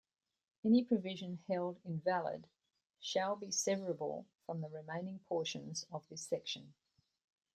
Any provision held invalid shall be severable from the remaining portions of this section.